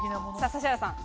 指原さん。